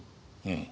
うん。